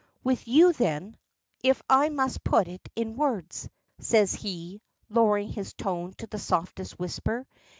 "With you, then if I must put it in words," says he, lowering his tone to the softest whisper.